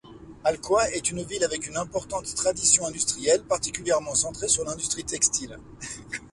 Alcoi est une ville avec une importante tradition industrielle, particulièrement centrée sur l'industrie textile.